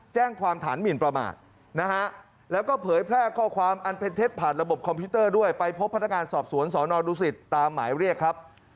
แจ้งความถานหมินประมาทนะฮะ